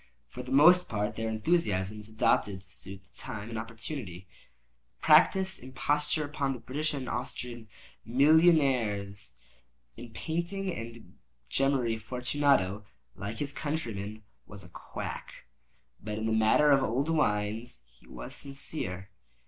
For the most part their enthusiasm is adopted to suit the time and opportunity—to practise imposture upon the British and Austrian millionaires. In painting and gemmary, Fortunato, like his countrymen, was a quack—but in the matter of old wines he was sincere.